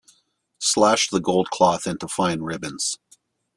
Slash the gold cloth into fine ribbons.